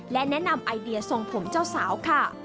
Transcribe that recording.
และแนะนำไอเดียทรงผมเจ้าสาวค่ะ